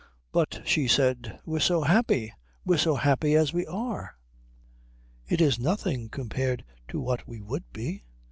"But," she said, "we're so happy. We're so happy as we are." "It is nothing compared to what we would be."